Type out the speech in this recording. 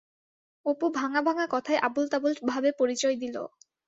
অপু ভাঙা ভাঙা কথায় আবোলতাবোল ভাবে পরিচয় দিল।